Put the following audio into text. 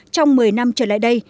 trong một mươi năm trở lại đây